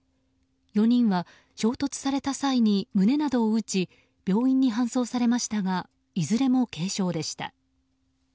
４人は、衝突された際に胸などを打ち病院に搬送されましたがいずれも軽傷でした。